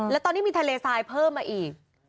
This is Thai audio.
แล้วตอนนี้มีทะเลทรายเพิ่มมาอีก